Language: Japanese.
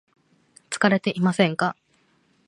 疲れていませんか